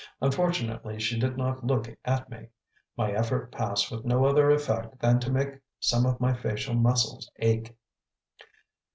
Unfortunately, she did not look at me; my effort passed with no other effect than to make some of my facial muscles ache.